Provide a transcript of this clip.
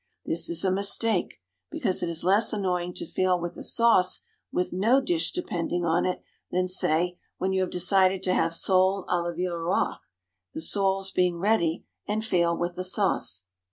This is a mistake, because it is less annoying to fail with a sauce with no dish depending on it, than, say, when you have decided to have sole à la Villeroi, the soles being ready, and fail with the sauce.